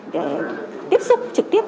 để tiếp xúc trực tiếp